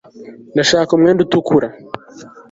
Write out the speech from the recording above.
ndashaka umwenda utukura